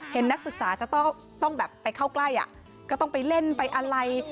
นักศึกษาจะต้องแบบไปเข้าใกล้ก็ต้องไปเล่นไปอะไร